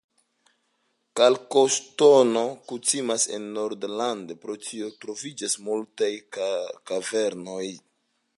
Kalkoŝtono kutimas en Nordland, pro tio troviĝas multaj kavernoj.